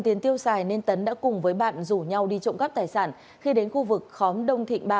tiền tiêu xài nên tấn đã cùng với bạn rủ nhau đi trộm cắp tài sản khi đến khu vực khóm đông thịnh ba